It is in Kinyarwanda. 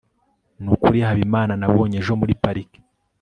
nukuri habimana nabonye ejo muri parike